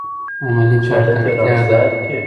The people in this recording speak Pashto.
عملي کار ته اړتیا ده.